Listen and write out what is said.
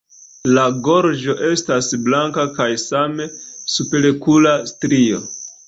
La gorĝo estas blanka kaj same superokula strio.